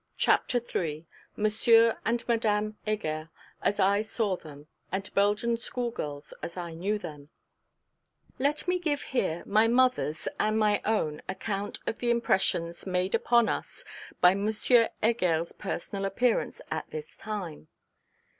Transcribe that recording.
CHAPTER III MONSIEUR AND MADAME HEGER AS I SAW THEM; AND BELGIAN SCHOOLGIRLS AS I KNEW THEM Let me give here my mother's, and my own, account of the impressions made upon us by M. Heger's personal appearance at this time.